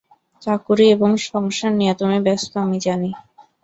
চাকরি এবং সংসার নিয়া তুমি ব্যস্ত আমি জানি।